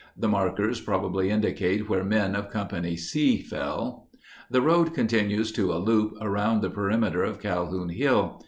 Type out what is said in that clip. (The markers probably indi cate where men of Company C fell.) The road continues to a loop around the perimeter of Calhoun Hill.